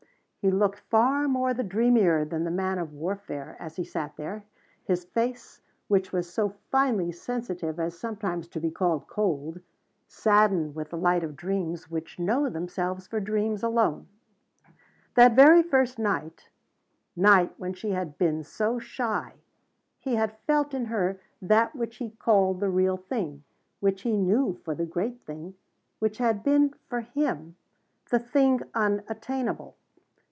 He looked far more the dreamer than the man of warfare as he sat there, his face, which was so finely sensitive as sometimes to be called cold, saddened with the light of dreams which know themselves for dreams alone. That very first night, night when she had been so shy, he had felt in her that which he called the real thing, which he knew for the great thing, which had been, for him, the thing unattainable.